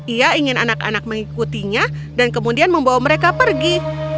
ia ingin anak anak mengikutinya dan kemudian membawa mereka pergi